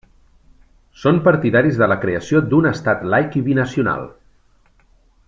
Són partidaris de la creació d'un estat laic i binacional.